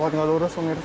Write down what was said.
takut nggak lurus pemirsa